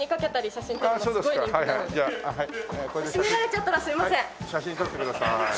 写真撮ってください。